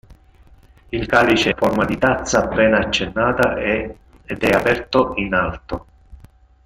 Il calice ha forma di tazza appena accennata ed è aperto in alto.